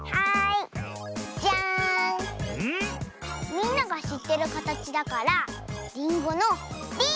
みんながしってるかたちだからりんごの「り」！